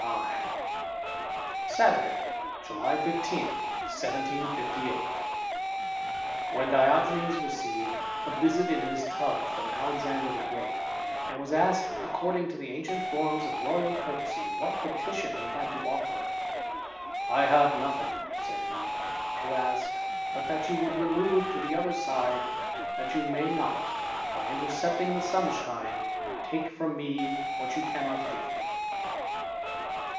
* Note XXV., Appendix. THE IDLER. 283 Saturday y July 15, 1758. IX rHEN Diogenes received a visit in his tub from ^ Alexander the Great, and was asked, according to "ie ancient forms of royal courtesy, what petition he had ^ offer; "I have nothing," said he, "to ask, but that you ^uld remove to the other side, that you may not, by '^tercepting the sunshine, take from me what you cannot ive me."